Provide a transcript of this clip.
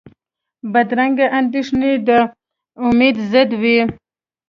بدرنګه اندېښنې د امید ضد وي